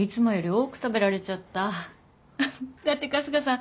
だって春日さん